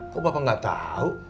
kok bapak nggak tau